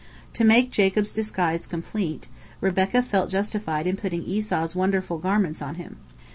To make Jacob's disguise complete, Rebekah felt justified in putting Esau's wonderful garments on him.